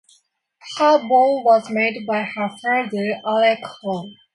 Her bow was made by her father, Alec Hou.